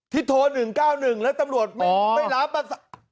ทิศโทร๑๙๑แล้วตำรวจไม่รับประสาท